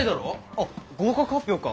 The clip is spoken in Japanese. あっ合格発表か。